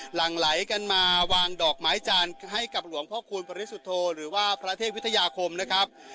หลังไหลกันมาวางดอกไม้จันทร์ให้กับหลวงพ่อคูณปริสุทธโธหรือว่าพระเทพวิทยาคมนะครับ